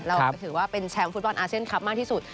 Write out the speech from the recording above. เราถือว่าเป็นแชมป์ฟุตบอลอาเซียนคลับมากที่สุด